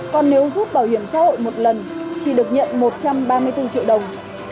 còn nếu rút bảo hiểm xã hội một lần chỉ được nhận một trăm ba mươi bốn triệu đồng